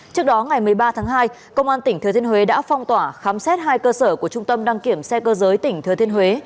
trước đó ngày một mươi ba tháng hai công an tỉnh thừa thiên huế đã phong tỏa khám xét hai cơ sở của trung tâm đăng kiểm xe cơ giới tỉnh thừa thiên huế